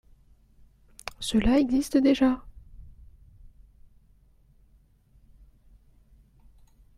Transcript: Cela existe déjà